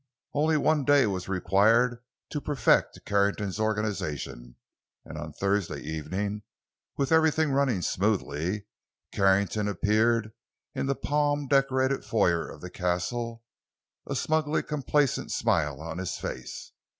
Only one day was required to perfect Carrington's organization, and on Thursday evening, with everything running smoothly, Carrington appeared in the palm decorated foyer of the Castle, a smugly complacent smile on his face.